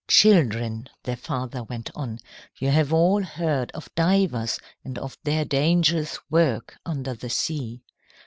"Children," their father went on, "you have all heard of divers and of their dangerous work under the sea.